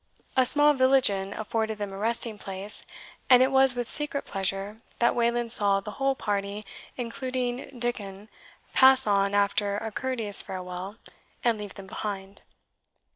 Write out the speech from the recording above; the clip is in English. A small village inn afforded them a resting place, and it was with secret pleasure that Wayland saw the whole party, including Dickon, pass on, after a courteous farewell, and leave them behind.